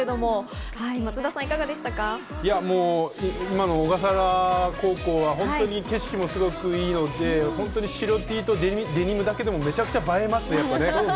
今の小笠原高校は本当に景色もすごくいいので、白Ｔとデニムだけでもめちゃくちゃ映えますね。